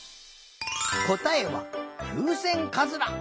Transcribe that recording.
こたえはふうせんかずら。